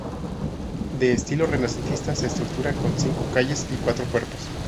De estilo renacentista se estructura con cinco calles y cuatro cuerpos.